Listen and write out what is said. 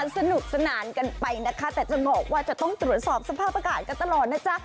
สนุกสนานกันไปนะคะแต่จะบอกว่าจะต้องตรวจสอบสภาพอากาศกันตลอดนะจ๊ะ